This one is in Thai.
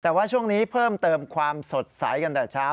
แต่ว่าช่วงนี้เพิ่มเติมความสดใสกันแต่เช้า